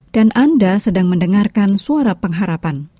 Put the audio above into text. dan anda sedang mendengarkan suara pengharapan